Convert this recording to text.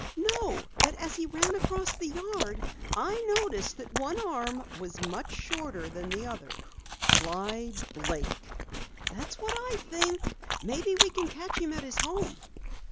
"No, but as he ran across the yard I noticed that one arm was much shorter than the other." "Clyde Blake!" "That's what I think. Maybe we can catch him at his home!"